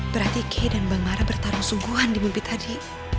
berarti kay dan bang mara bertarung sungguhan di mimpi tadi